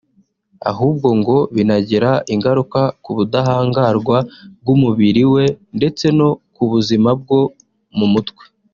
ahubwo ngo binagira ingaruka ku budahangarwa bw’umubiri we ndetse no ku buzima bwo mu mutwe